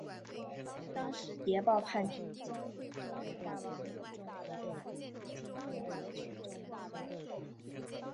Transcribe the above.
当时谍报叛军将领黑面大王领众三万进攻截取周明松。